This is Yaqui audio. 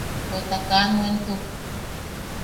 Bweta kaa nuentuk.